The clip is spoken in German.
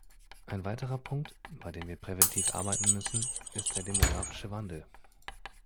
Ein weiterer Punkt, bei dem wir präventiv arbeiten müssen, ist der demografische Wandel.